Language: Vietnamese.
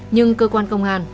nhưng cơ quan công an